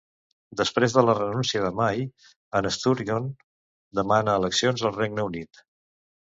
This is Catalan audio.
Després de la renúncia de May, en Sturgeon demana eleccions al Regne Unit.